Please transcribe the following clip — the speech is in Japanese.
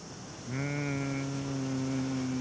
うん。